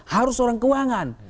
harus orang keuangan